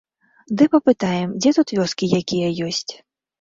Ды папытаем, дзе тут вёскі якія ёсць.